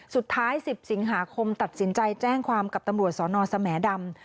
สุดท้าย๑๐สิงหาคมตัดสินใจแจ้งความกับตำรวจสนสแหมดำ